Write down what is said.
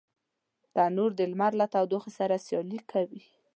تنور د لمر له تودوخي سره سیالي کوي